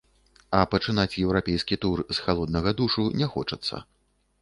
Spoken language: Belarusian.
А пачынаць еўрапейскі тур з халоднага душу не хочацца.